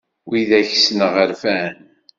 Wid akk ssneɣ rfan.